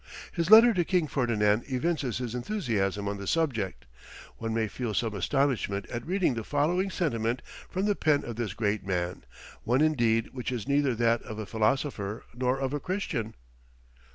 His letter to King Ferdinand evinces his enthusiasm on the subject; one may feel some astonishment at reading the following sentiment from the pen of this great man, one indeed which is neither that of a philosopher nor of a Christian.